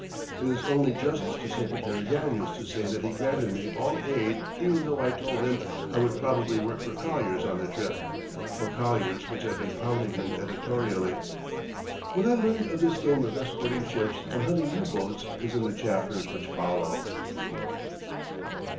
It is only justice to Secretary Daniels to say that he granted me all aid even though I told him I would probably work for Collier's on the trip for Collier's which had been pounding him editorially. What I learned of this game of escorting ships and hunting U boats is in the chapters which follow.